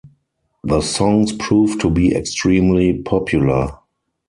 The songs proved to be extremely popular.